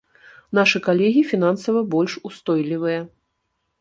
Нашы калегі фінансава больш устойлівыя.